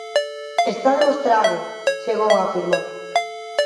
"Está demostrado", chegou a afirmar.